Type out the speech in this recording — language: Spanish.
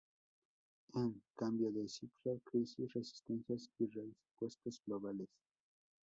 En: "Cambio de ciclo: crisis, resistencias y respuestas globales".